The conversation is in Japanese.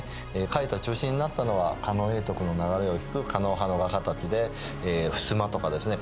描いた中心になったのは狩野永徳の流れを引く狩野派の画家たちでふすまとかですね